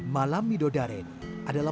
malam midodaren adalah malam terakhir di dunia